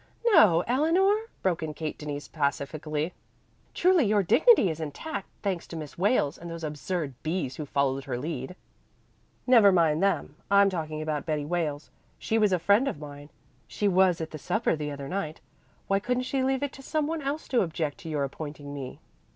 "No, Eleanor," broke in Kate Denise pacifically. "Truly, your dignity is intact, thanks to Miss Wales and those absurd B's who followed her lead." "Never mind them. I'm talking about Betty Wales. She was a friend of mine she was at the supper the other night. Why couldn't she leave it to some one else to object to your appointing me?"